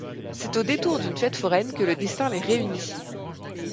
C'est au détour d'une fête foraine que le destin les réunit.